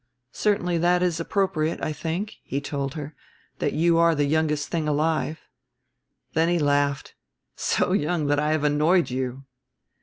Certainly that is appropriate. I think," he told her, "that you are the youngest thing alive." Then he laughed, "So young that I have annoyed you."